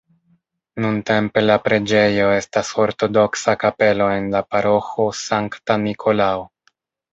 Nuntempe la preĝejo estas ortodoksa kapelo en la paroĥo Sankta Nikolao.